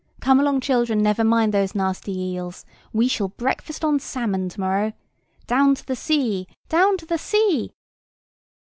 Come along, children, never mind those nasty eels: we shall breakfast on salmon to morrow. Down to the sea, down to the sea!"